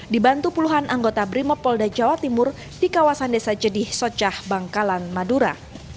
dibantu puluhan anggota brimopolda jawa timur di kawasan desa jedih socah bangkalan madura